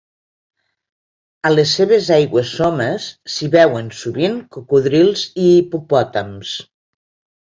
A les seves aigües somes s'hi veuen sovint cocodrils i hipopòtams.